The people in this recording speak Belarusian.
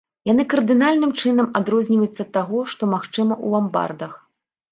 Яны кардынальным чынам адрозніваюцца ад таго, што магчыма ў ламбардах.